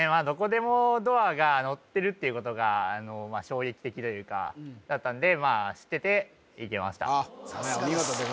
どこでもドアが載ってるっていうことが衝撃的というかだったんでまあ知ってていけましたあっ